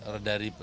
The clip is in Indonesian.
ya tidak bisa